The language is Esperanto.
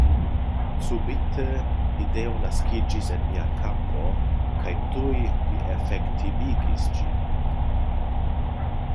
Subite ideo naskiĝis en mia kapo kaj tuj mi efektivigis ĝin.